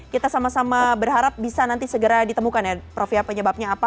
kita sama sama berharap bisa nanti segera ditemukan ya prof ya penyebabnya apa